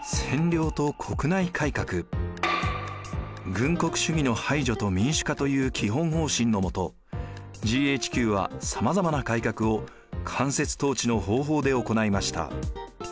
軍国主義の排除と民主化という基本方針のもとＧＨＱはさまざまな改革を間接統治の方法で行いました。